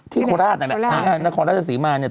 ที่โคราชนั่นแหละนครราชสีมารเนี่ย